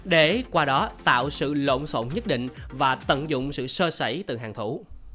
để qua đó tạo sự lộn xộn nhất định và tận dụng sự sơ sẩy từ hàng thủ